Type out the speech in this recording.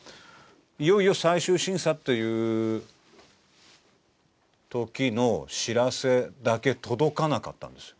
いよいよ最終審査という時の知らせだけ届かなかったんですよ。